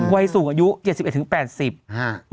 วัยสูงอายุเจ็ดสิบเอ็ถึงแปดสิบฮะ